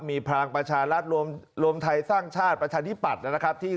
มีภลางประชารัฐรวมไทยสร้างชาติปรัชานิปัฎนะครับ